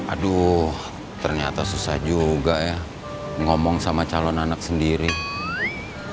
aduh ternyata susah juga ya ngomong sama calon anak sendiri